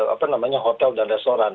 apa namanya hotel dan restoran